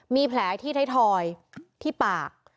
มีแผลที่ไทยทอยที่ปาก